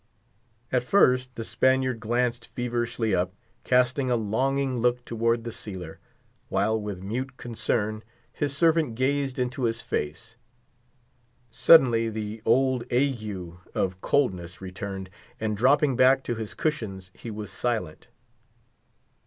At first, the Spaniard glanced feverishly up, casting a longing look towards the sealer, while with mute concern his servant gazed into his face. Suddenly the old ague of coldness returned, and dropping back to his cushions he was silent.